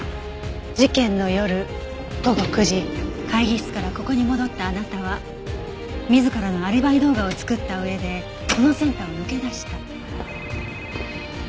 事件の夜午後９時会議室からここに戻ったあなたは自らのアリバイ動画を作った上でこのセンターを抜け出した。